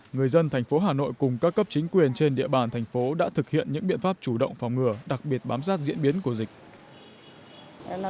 người dân thành phố hà nội cùng các cấp chính quyền trên địa bàn thành phố đã thực hiện những biện pháp chủ động phòng ngừa đặc biệt bám sát diễn biến của dịch